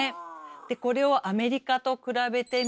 でこれをアメリカと比べてみると。